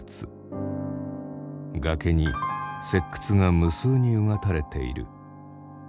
崖に石窟が無数にうがたれている。